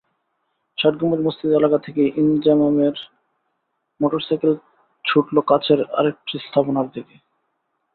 ষাটগম্বুজ মসজিদ এলাকা থেকেই ইনজামামের মোটরসাইকেল ছুটল কাছের আরেকটি স্থাপনার দিকে।